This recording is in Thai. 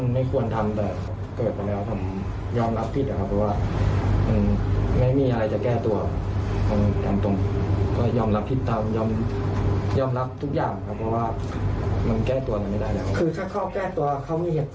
แล้วคุณยังจะมาทำร้ายผมอีก